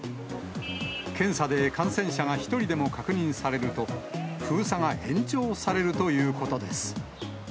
検査で感染者が１人でも確認されると、封鎖が延長されるということです。